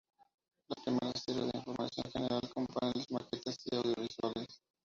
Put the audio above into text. La primera sirve de información general con paneles, maquetas y audiovisuales.